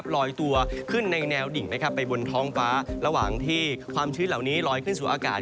ลอยตัวขึ้นในแนวดิ่งนะครับไปบนท้องฟ้าระหว่างที่ความชื้นเหล่านี้ลอยขึ้นสู่อากาศ